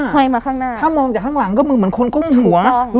ถ้ามองจากข้างหลังก็มึงเหมือนคนก้มหัว